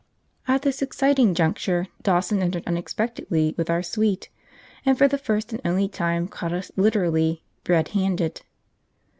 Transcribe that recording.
At this exciting juncture Dawson entered unexpectedly with our sweet, and for the first and only time caught us literally 'red handed.'